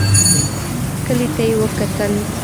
کلي ته يې وکتل.